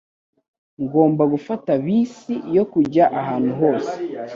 Ngomba gufata bisi yo kujya ahantu hose.